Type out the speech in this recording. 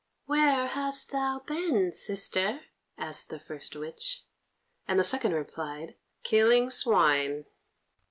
"Where hast thou been, sister?" asked the first witch. And the second replied: "Killing swine."